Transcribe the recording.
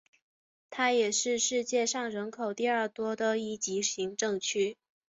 它也是世界上人口第二多的一级行政区。